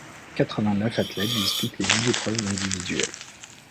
Quatre-vingt-neuf athlètes disputent les dix épreuves individuelles.